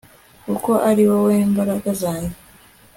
kuko ari wowe mbaraga zanjye